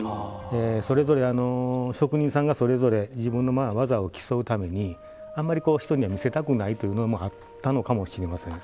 それぞれ職人さんがそれぞれ自分の技を競うためにあんまり人には見せたくないというのもあったのかもしれません。